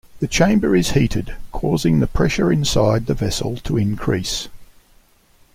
The chamber is heated, causing the pressure inside the vessel to increase.